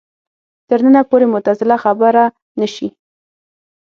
تر ننه پورې معتزله خبره نه شي